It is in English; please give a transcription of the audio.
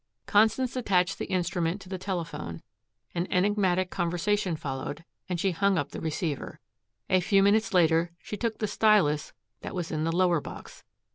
Constance attached the instrument to the telephone, an enigmatical conversation followed, and she hung up the receiver. A few minutes later, she took the stylus that was in the lower box.